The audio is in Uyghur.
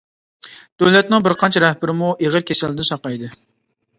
دۆلەتنىڭ بىر قانچە رەھبىرىمۇ ئېغىر كېسەلدىن ساقايدى.